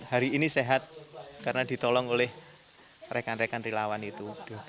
hari ini sehat karena ditolong oleh rekan rekan relawan itu